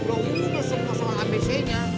lo ugesek masalah abcnya